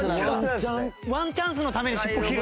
ワンチャンスのために尻尾切る。